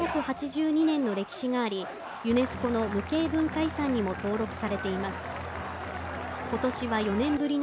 博多祇園山笠は７８２年の歴史があり、ユネスコの無形文化遺産にも登録されています